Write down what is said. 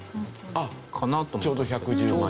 あっちょうど１１０万円。